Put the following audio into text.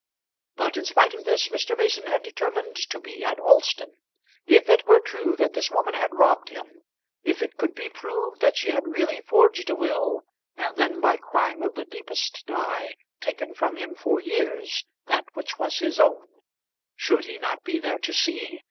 But in spite of this Mr. Mason had determined to be at Alston. If it were true that this woman had robbed him; if it could be proved that she had really forged a will, and then by crime of the deepest dye taken from him for years that which was his own, should he not be there to see?